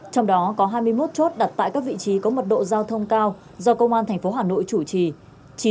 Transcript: trong đó có hai mươi một chốt đặt tại các vị trí có mật độ giao thông cao do công an tp hà nội chủ trì